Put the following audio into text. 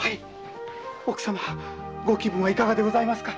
奥様ご気分はいかがでございますか？